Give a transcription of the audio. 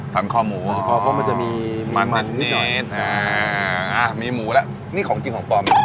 สันคอหมูเพราะมันจะมีมันนิดมีหมูแล้วนี่ของจริงของปลอมไหม